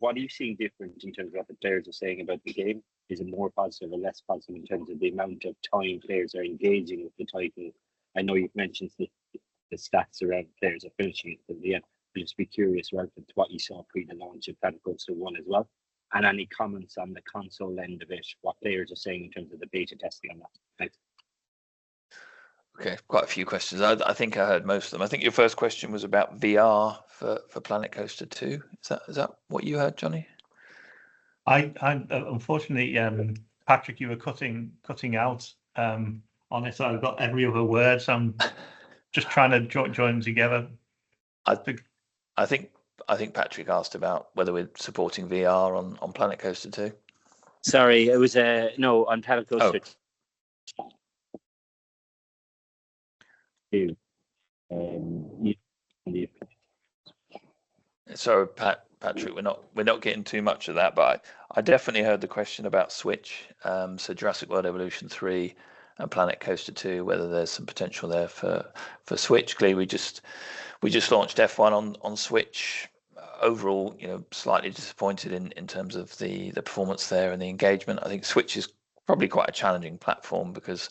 what are you seeing different in terms of what players are saying about the game? Is it more positive or less positive in terms of the amount of time players are engaging with the title? I know you've mentioned the stats around players finishing it, but yeah, I'd just be curious relative to what you saw pre the launch of Planet Coaster 1 as well. Any comments on the console end of it, what players are saying in terms of the beta testing on that? Thanks. Okay, quite a few questions. I think I heard most of them. I think your first question was about VR for Planet Coaster 2. Is that what you heard, Jonny? Unfortunately, Patrick, you were cutting out. Honestly, I've got every other word, so I'm just trying to join them together. I think Patrick asked about whether we're supporting VR on Planet Coaster 2. Sorry, it was, No, on Planet Coaster- Oh. Yeah. Sorry, Patrick, we're not getting too much of that, but I definitely heard the question about Switch. So Jurassic World Evolution 3 and Planet Coaster 2, whether there's some potential there for Switch. Clearly, we just launched F1 on Switch. Overall, you know, slightly disappointed in terms of the performance there and the engagement. I think Switch is probably quite a challenging platform because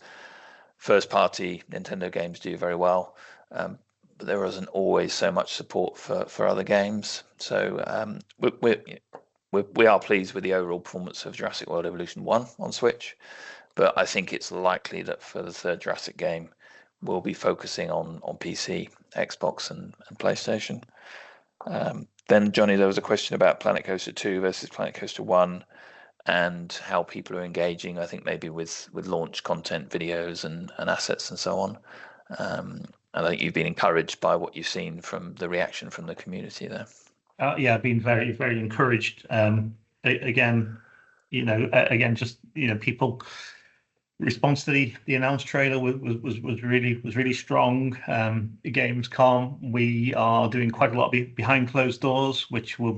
first-party Nintendo games do very well, but there isn't always so much support for other games. We are pleased with the overall performance of Jurassic World Evolution 1 on Switch, but I think it's likely that for the third Jurassic game, we'll be focusing on PC, Xbox, and PlayStation. Then Jonny, there was a question about Planet Coaster 2 versus Planet Coaster 1 and how people are engaging, I think, maybe with launch content, videos, and assets and so on. I think you've been encouraged by what you've seen from the reaction from the community there. Yeah, I've been very, very encouraged. Again, you know, again, just, you know, people's response to the announcement trailer was really strong. At Gamescom, we are doing quite a lot behind closed doors, which we're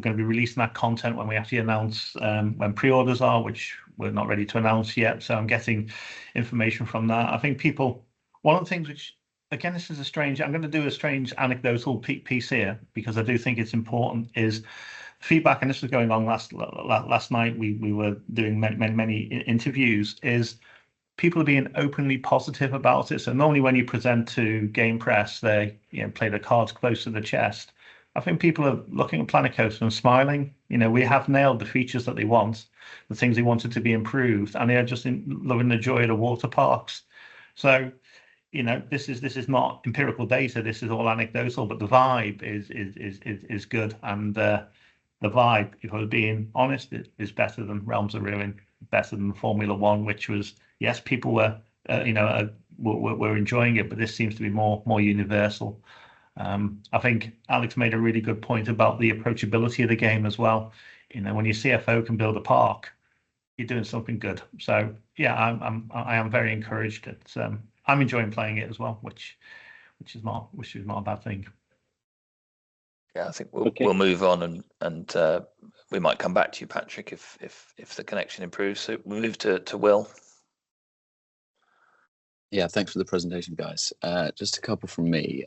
gonna be releasing that content when we actually announce when pre-orders are, which we're not ready to announce yet, so I'm getting information from that. I think people, one of the things which, again, this is a strange. I'm gonna do a strange, anecdotal piece here, because I do think it's important, is feedback, and this was going on last night, we were doing many interviews, is people are being openly positive about it. So normally when you present to game press, they, you know, play their cards close to their chest. I think people are looking at Planet Coaster and smiling. You know, we have nailed the features that they want, the things they wanted to be improved, and they are just loving the joy of the water parks. So, you know, this is not empirical data, this is all anecdotal, but the vibe is good, and the vibe, if I'm being honest, it is better than Realms of Ruin, really better than Formula Manager 2023, which was, yes, people were enjoying it, but this seems to be more universal. I think Alex made a really good point about the approachability of the game as well. You know, when your CFO can build a park, you're doing something good. So yeah, I am very encouraged that... I'm enjoying playing it as well, which is more a bad thing. Yeah, I think we'll- Okay... we'll move on, and we might come back to you, Patrick, if the connection improves. So we'll move to Will. Yeah, thanks for the presentation, guys. Just a couple from me.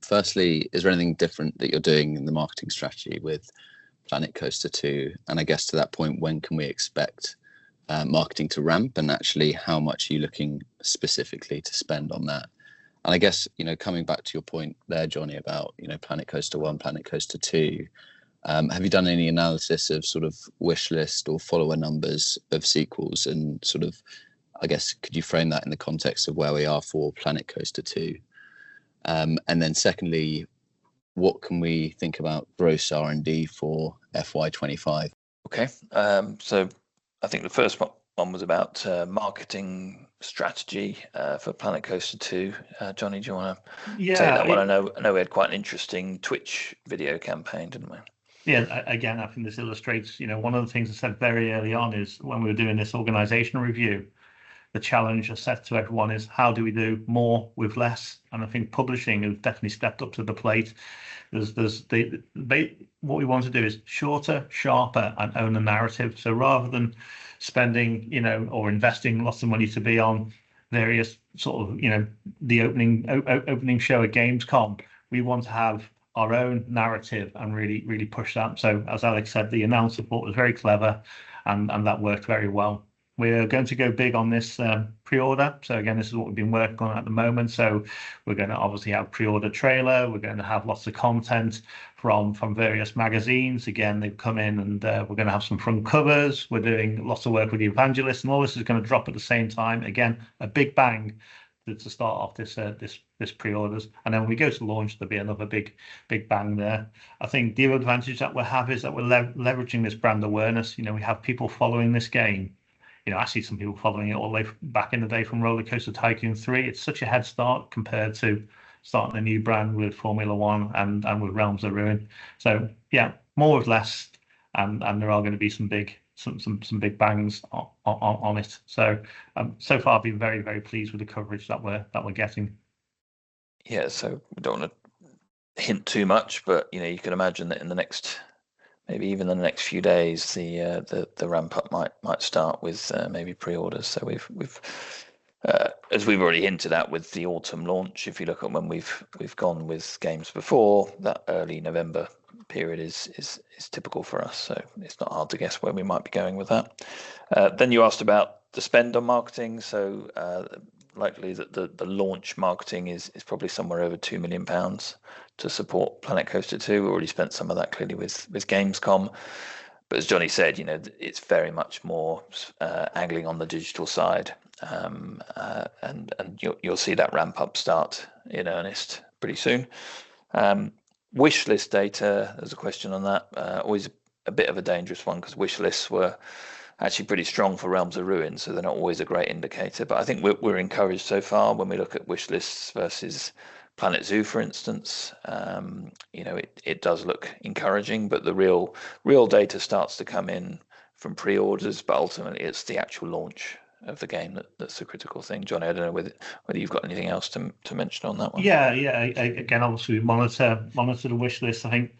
Firstly, is there anything different that you're doing in the marketing strategy with Planet Coaster 2? And I guess to that point, when can we expect marketing to ramp, and actually how much are you looking specifically to spend on that? And I guess, you know, coming back to your point there, Jonny, about, you know, Planet Coaster 1, Planet Coaster 2, have you done any analysis of sort of Wishlist or follower numbers of sequels and sort of... I guess, could you frame that in the context of where we are for Planet Coaster 2? And then secondly, what can we think about gross R&D for FY 2025? Okay, so I think the first one was about marketing strategy for Planet Coaster 2. Jonny, do you wanna- Yeah... take that one? I know, I know we had quite an interesting Twitch video campaign, didn't we? Yeah, again, I think this illustrates, you know, one of the things I said very early on is when we were doing this organizational review, the challenge I set to everyone is, how do we do more with less? And I think publishing has definitely stepped up to the plate. There's what we want to do is shorter, sharper, and own the narrative. So rather than spending, you know, or investing lots of money to be on various sort of, you know, the opening show at Gamescom, we want to have our own narrative and really push that. So as Alex said, the announce support was very clever, and that worked very well. We're going to go big on this pre-order. So again, this is what we've been working on at the moment, so we're gonna obviously have pre-order trailer. We're gonna have lots of content from various magazines. Again, they've come in and we're gonna have some front covers. We're doing lots of work with the evangelists, and all this is gonna drop at the same time. Again, a big bang to start off this pre-orders, and then when we go to launch, there'll be another big bang there. I think the advantage that we'll have is that we're leveraging this brand awareness. You know, we have people following this game. You know, I see some people following it all the way back in the day from RollerCoaster Tycoon 3. It's such a head start compared to starting a new brand with Formula One and with Realms of Ruin. So yeah, more or less, and there are gonna be some big bangs on it. So far I've been very, very pleased with the coverage that we're getting. Yeah, so we don't wanna hint too much, but, you know, you can imagine that in the next, maybe even in the next few days, the ramp up might start with, maybe pre-orders. So we've as we've already hinted at with the autumn launch, if you look at when we've gone with games before, that early November period is typical for us, so it's not hard to guess where we might be going with that. Then you asked about the spend on marketing, so, likely that the launch marketing is probably somewhere over 2 million pounds to support Planet Coaster 2. We've already spent some of that clearly with Gamescom. But as Johnny said, you know, it's very much more, angling on the digital side. You'll see that ramp up start in earnest pretty soon. Wishlist data, there's a question on that. Always a bit of a dangerous one, 'cause Wishlists were actually pretty strong for Realms of Ruin, so they're not always a great indicator. But I think we're encouraged so far when we look at Wishlists versus Planet Zoo, for instance. You know, it does look encouraging, but the real data starts to come in from pre-orders, but ultimately it's the actual launch of the game that's the critical thing. Jonny, I don't know whether you've got anything else to mention on that one? Yeah, yeah. Again, obviously, we monitor the Wishlist. I think,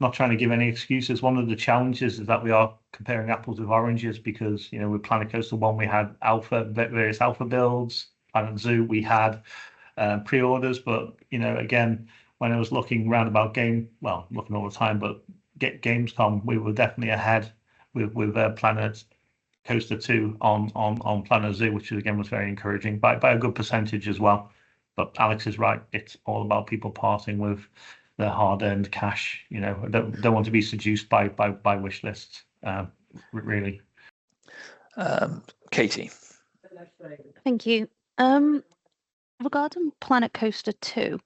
not trying to give any excuses, one of the challenges is that we are comparing apples with oranges because, you know, with Planet Coaster 1, we had alpha, various alpha builds. Planet Zoo, we had pre-orders, but, you know, again, when I was looking roundabout Gamescom. Well, looking all the time, but Gamescom, we were definitely ahead with Planet Coaster 2 on Planet Zoo, which again, was very encouraging, by a good percentage as well. But Alex is right, it's all about people parting with their hard-earned cash. You know, don't want to be seduced by Wishlists, really. Um, Katie? Thank you. Regarding Planet Coaster 2,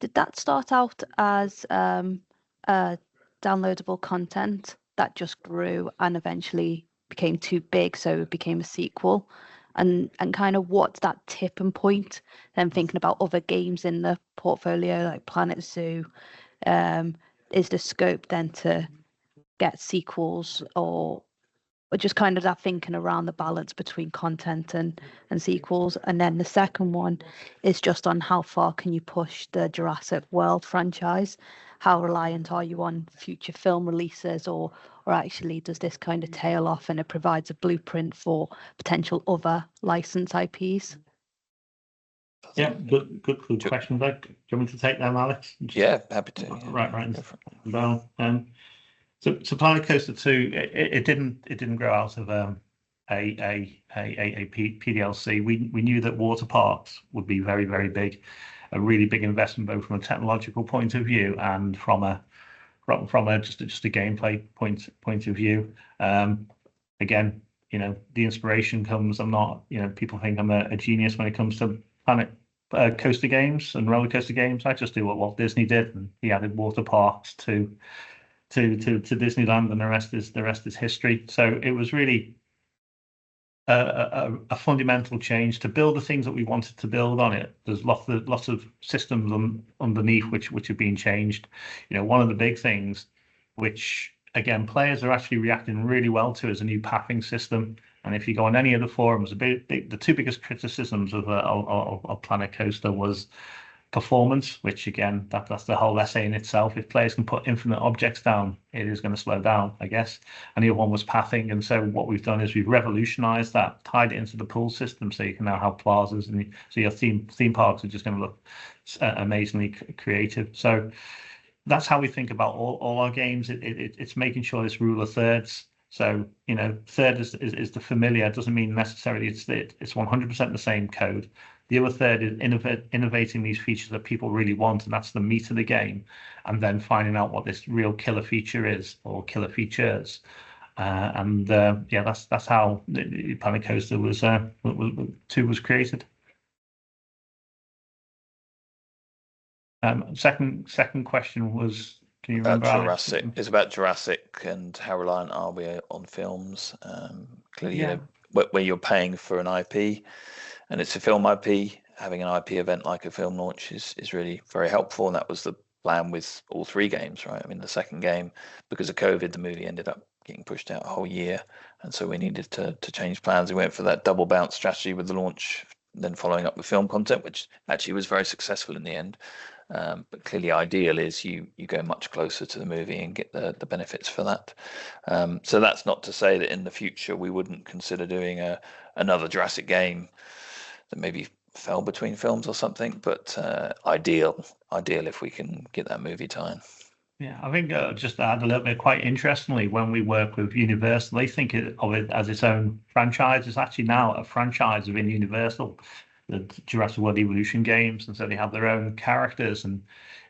did that start out as downloadable content that just grew and eventually became too big, so it became a sequel? And kind of what's that tipping point? Then thinking about other games in the portfolio, like Planet Zoo, is the scope then to get sequels or... Just kind of that thinking around the balance between content and sequels. And then the second one is just on how far can you push the Jurassic World franchise? How reliant are you on future film releases, or actually does this kind of tail off, and it provides a blueprint for potential other licensed IPs? Yeah, good, good, cool questions. Do you want me to take them, Alex? Yeah, happy to. Right, right. So Planet Coaster 2, it didn't grow out of a PDLC. We knew that water parks would be very big, a really big investment, both from a technological point of view and from a just a gameplay point of view. Again, you know, the inspiration comes. I'm not, you know, people think I'm a genius when it comes to Planet Coaster games and rollercoaster games. I just do what Walt Disney did, and he added water parks to Disneyland, and the rest is history. So it was really a fundamental change to build the things that we wanted to build on it. There's lots of systems underneath which have been changed. You know, one of the big things, which again, players are actually reacting really well to, is a new pathing system, and if you go on any of the forums, the two biggest criticisms of Planet Coaster was performance, which again, that's a whole essay in itself. If players can put infinite objects down, it is gonna slow down, I guess. And the other one was pathing, and so what we've done is we've revolutionized that, tied it into the pool system, so you can now have plazas, and so your theme parks are just gonna look amazingly creative. So that's how we think about all our games. It's making sure it's rule of thirds, so, you know, third is the familiar. It doesn't mean necessarily it's 100% the same code. The other third is innovating these features that people really want, and that's the meat of the game, and then finding out what this real killer feature is or killer features. Yeah, that's how the Planet Coaster 2 was created. Second question was, can you remember, Alex? About Jurassic. It's about Jurassic and how reliant are we on films. Clearly- Yeah... where you're paying for an IP, and it's a film IP, having an IP event, like a film launch, is really very helpful, and that was the plan with all three games, right? I mean, the second game, because of COVID, the movie ended up getting pushed out a whole year, and so we needed to change plans. We went for that double bounce strategy with the launch, then following up with film content, which actually was very successful in the end. But clearly ideal is you go much closer to the movie and get the benefits for that. So that's not to say that in the future we wouldn't consider doing another Jurassic game that maybe fell between films or something, but ideal if we can get that movie tie-in. Yeah, I think, just to add a little bit, quite interestingly, when we work with Universal, they think of it as its own franchise. It's actually now a franchise within Universal, the Jurassic World Evolution games, and so they have their own characters, and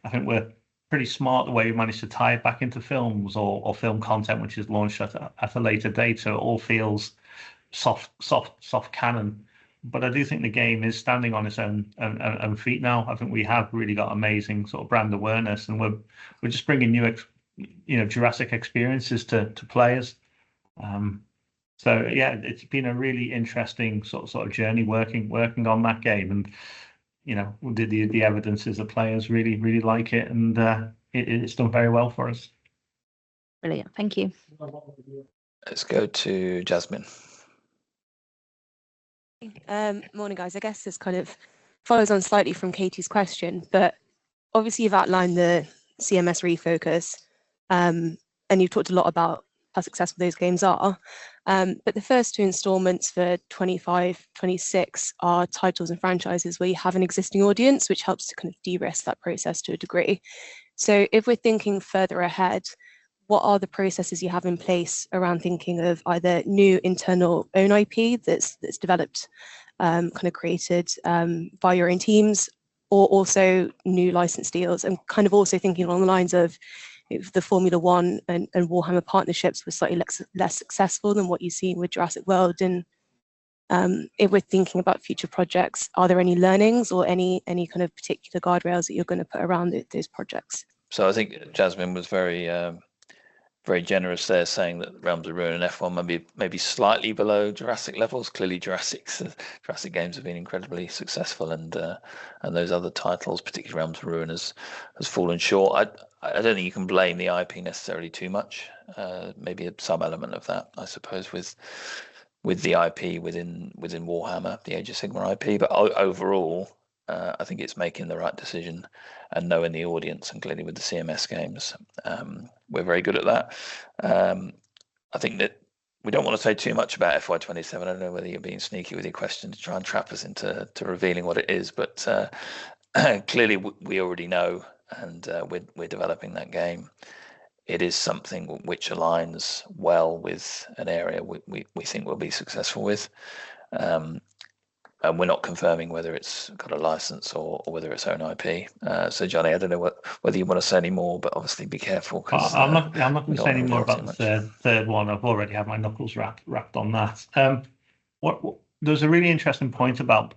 I think we're pretty smart the way we managed to tie it back into films or film content, which is launched at a later date, so it all feels soft canon. But I do think the game is standing on its own feet now. I think we have really got amazing sort of brand awareness, and we're just bringing new, you know, Jurassic experiences to players. So yeah, it's been a really interesting sort of journey working on that game, and you know, the evidence is that players really really like it, and it's done very well for us. Brilliant. Thank you. Let's go to Jasmine. Morning, guys. I guess this kind of follows on slightly from Katie's question, but obviously you've outlined the CMS refocus, and you've talked a lot about how successful those games are, but the first two installments for 2025, 2026 are titles and franchises where you have an existing audience, which helps to kind of de-risk that process to a degree. So if we're thinking further ahead, what are the processes you have in place around thinking of either new internal own IP that's developed, kind of created, by your own teams, or also new license deals? And kind of also thinking along the lines of if the Formula One and Warhammer partnerships were slightly less successful than what you've seen with Jurassic World and, if we're thinking about future projects, are there any learnings or any kind of particular guardrails that you're gonna put around those projects? So I think Jasmine was very generous there saying that Realms of Ruin and F1 may be slightly below Jurassic levels. Clearly, Jurassics and Jurassic Games have been incredibly successful, and those other titles, particularly Realms of Ruin, has fallen short. I don't think you can blame the IP necessarily too much, maybe some element of that, I suppose, with the IP within Warhammer, the Age of Sigmar IP. But overall, I think it's making the right decision and knowing the audience, and clearly with the CMS games, we're very good at that. I think that we don't want to say too much about FY2027. I don't know whether you're being sneaky with your question to try and trap us into to revealing what it is, but clearly we already know and we're developing that game. It is something which aligns well with an area we think we'll be successful with, and we're not confirming whether it's got a license or whether it's own IP. So Jonny, I don't know whether you want to say any more, but obviously be careful, because- I'm not, I'm not gonna say any more- Yeah... about the third one. I've already had my knuckles wrapped on that. There's a really interesting point about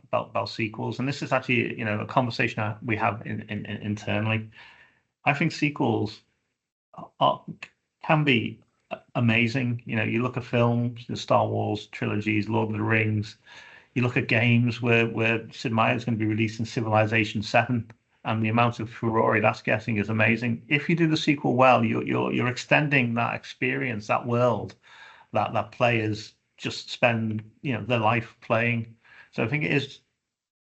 sequels, and this is actually, you know, a conversation that we have internally. I think sequels are, can be amazing. You know, you look at films, the Star Wars trilogies, Lord of the Rings. You look at games where Sid Meier is gonna be releasing Civilization VII, and the amount of furore that's getting is amazing. If you do the sequel well, you're extending that experience, that world, that players just spend, you know, their life playing. So I think it is...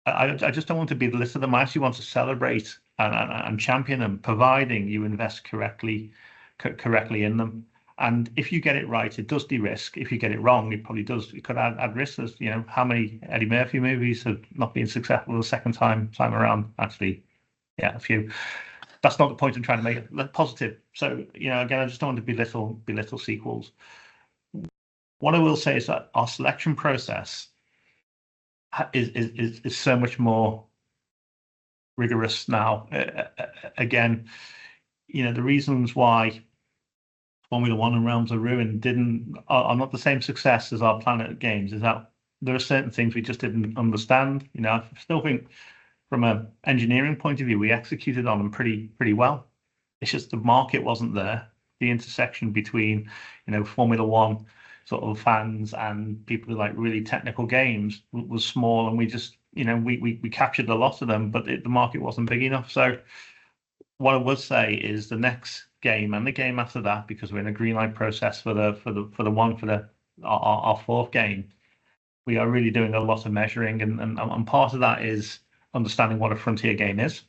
I just don't want to belittle them. I actually want to celebrate and champion them, providing you invest correctly in them, and if you get it right, it does de-risk. If you get it wrong, it probably does. It could add risk, as you know, how many Eddie Murphy movies have not been successful the second time around? Actually, yeah, a few. That's not the point I'm trying to make. They're positive. So, you know, again, I just don't want to belittle sequels. What I will say is that our selection process is so much more rigorous now. Again, you know, the reasons why F1 Manager and Realms of Ruin didn't are not the same success as our Planet games is that there are certain things we just didn't understand. You know, I still think from an engineering point of view, we executed on them pretty well. It's just the market wasn't there. The intersection between, you know, Formula One sort of fans and people who like really technical games was small, and we just, you know, we captured a lot of them, but the market wasn't big enough. So what I would say is the next game and the game after that, because we're in a green light process for the one, our fourth game, we are really doing a lot of measuring, and part of that is understanding what a Frontier game is.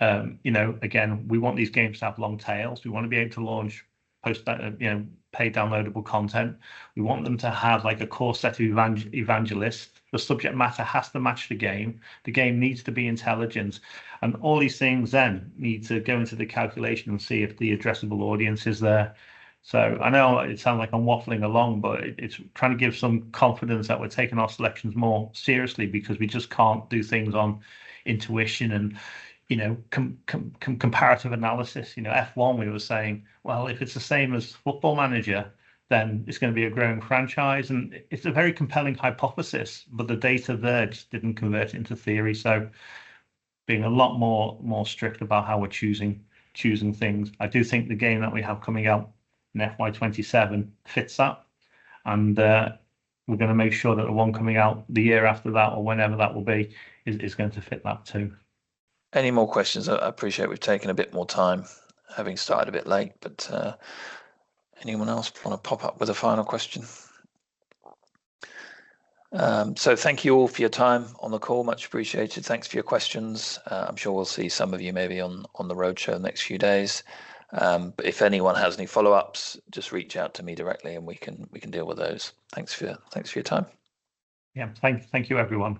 You know, again, we want these games to have long tails. We want to be able to launch post that, you know, paid downloadable content. We want them to have, like, a core set of evangelists. The subject matter has to match the game. The game needs to be intelligent, and all these things then need to go into the calculation and see if the addressable audience is there. So I know it sounds like I'm waffling along, but it's trying to give some confidence that we're taking our selections more seriously, because we just can't do things on intuition and, you know, comparative analysis. You know, F1, we were saying, "Well, if it's the same as Football Manager, then it's gonna be a growing franchise," and it's a very compelling hypothesis, but the data there just didn't convert into theory. So being a lot more strict about how we're choosing things. I do think the game that we have coming out in FY2027 fits that, and we're gonna make sure that the one coming out the year after that, or whenever that will be, is going to fit that, too. Any more questions? I appreciate we've taken a bit more time, having started a bit late, but anyone else want to pop up with a final question? So thank you all for your time on the call. Much appreciated. Thanks for your questions. I'm sure we'll see some of you maybe on the roadshow in the next few days, but if anyone has any follow-ups, just reach out to me directly, and we can deal with those. Thanks for your time. Yeah. Thank you, everyone.